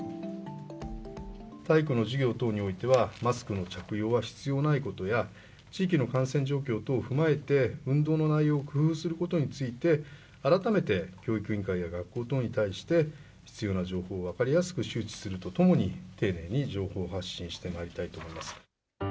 体育の授業等においては、マスクの着用は必要ないことや、地域の感染状況等を踏まえて、運動の内容を工夫することについて、改めて教育委員会や学校等に対して必要な情報を分かりやすく周知するとともに、丁寧に情報発信してまいりたいと思います。